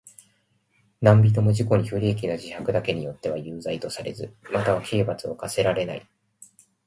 何人（なんびと）も自己に不利益な自白だけによっては有罪とされず、または刑罰を科せられない。